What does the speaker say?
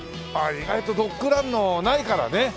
意外とドッグランのないからね。